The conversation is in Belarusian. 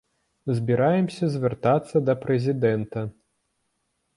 Збіраемся звяртацца да прэзідэнта.